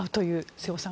瀬尾さん